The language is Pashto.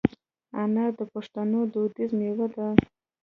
انار د پښتنو دودیزه مېوه ده.